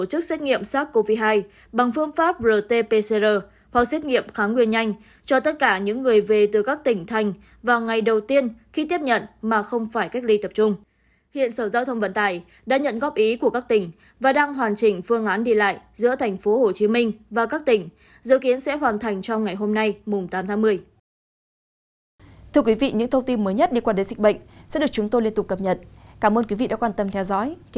hiện sở giao thông vận tài đã nhận góp ý của các tỉnh và đang hoàn chỉnh phương án đi lại giữa tp hcm và các tỉnh dự kiến sẽ hoàn thành trong ngày hôm nay mùng tám tháng một mươi